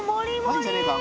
入んじゃねえか？